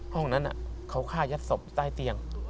ห้องนั้นเขาฆ่ายัดศพใต้เตียง